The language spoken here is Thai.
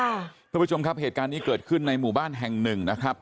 คุณผู้ชมครับเหตุการณ์นี้เกิดขึ้นในหมู่บ้านแห่งหนึ่งนะครับ